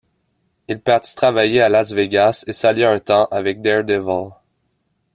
Il partit travailler à Las Vegas et s'allia un temps avec Daredevil.